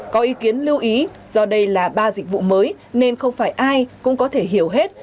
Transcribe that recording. có ý kiến lưu ý do đây là ba dịch vụ mới nên không phải ai cũng có thể hiểu hết